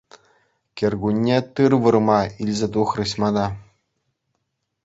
Кӗркунне тыр вырма илсе тухрӗҫ мана.